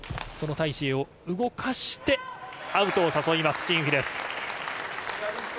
タイ・シエイを動かしてアウトを誘いますチン・ウヒです。